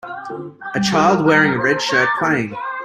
A child wearing a red shirt playing.